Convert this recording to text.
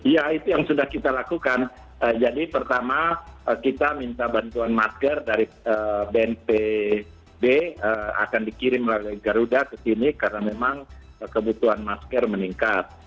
ya itu yang sudah kita lakukan jadi pertama kita minta bantuan masker dari bnpb akan dikirim melalui garuda ke sini karena memang kebutuhan masker meningkat